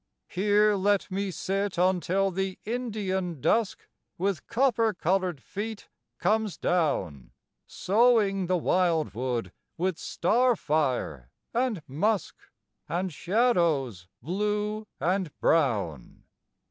Here let me sit until the Indian, Dusk, With copper colored feet, comes down; Sowing the wildwood with star fire and musk, And shadows blue and brown.